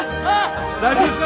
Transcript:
大丈夫ですか？